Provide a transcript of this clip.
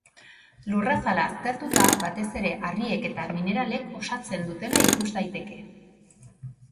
Lurrazala aztertuta, batez ere harriek eta mineralek osatzen dutela ikus daiteke.